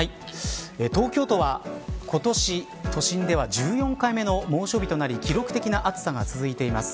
東京都は今年、都心では１４回目の猛暑日となり記録的な暑さが続いています。